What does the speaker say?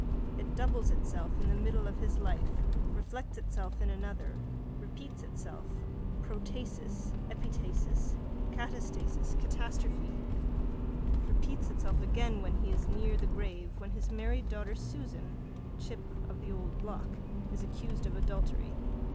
It doubles itself in the middle of his life, reflects itself in another, repeats itself, protasis, epitasis, catastasis, catastrophe. It repeats itself again when he is near the grave, when his married daughter Susan, chip of the old block, is accused of adultery.